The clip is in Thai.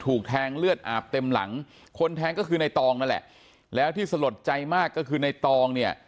ถูกแทงเลือดอาบเต็มหลังคนแทงก็คือในตองนั่นแหละแล้วที่สลดใจมากก็คือในตองเนี่ย